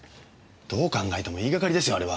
どう考えても言いがかりですよあれは。